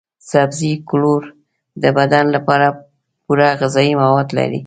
سبزي ګولور د بدن لپاره پوره غذايي مواد لري.